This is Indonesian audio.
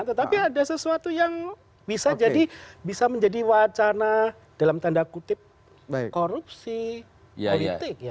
tetapi ada sesuatu yang bisa menjadi wacana dalam tanda kutip korupsi politik